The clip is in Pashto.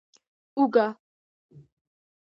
🧄 اوږه